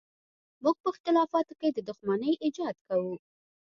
موږ په اختلافاتو کې د دښمنۍ ایجاد کوو.